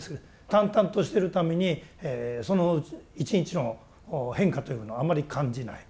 淡々としてるためにその１日の変化というのはあまり感じない。